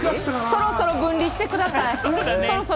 そろそろ分離してください。